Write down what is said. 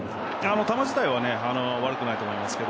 球自体は悪くないと思います。